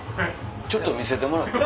ちょっと見せてもらって。